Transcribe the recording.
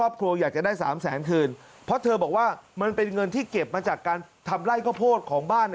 เพราะเธอบอกว่ามันเป็นเงินที่เก็บมาจากการทำไล่ข้อโพศของบ้าน